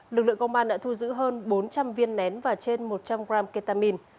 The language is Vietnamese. lực lượng công an đã thu giữ hơn bốn trăm linh viên nén và trên một trăm linh gram ketamine